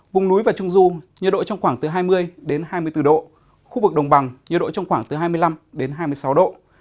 vùng núi và trung du nhiệt độ trong khoảng từ hai mươi hai mươi bốn độ khu vực đồng bằng nhiệt độ trong khoảng từ hai mươi năm đến hai mươi sáu độ